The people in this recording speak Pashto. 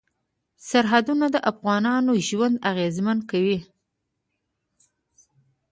سرحدونه د افغانانو ژوند اغېزمن کوي.